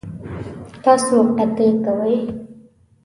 تاسو قطعی کوئ؟